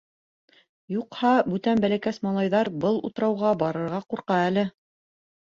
Юҡһа, бүтән бәләкәс малайҙар был утрауға барырға ҡурҡа әле.